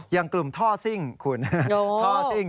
อย่างกลุ่มท่อซิ่งคุณท่อซิ่ง